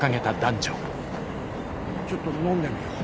ちょっと飲んでみよう。